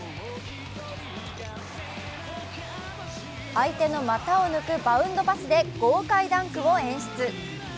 相手の股を抜くバウンドパスで豪快ダンクを演出。